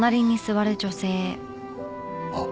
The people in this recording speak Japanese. あっ。